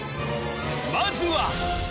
まずは！